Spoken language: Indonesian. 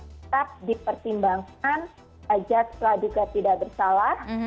tetap dipertimbangkan ajak setelah juga tidak bersalah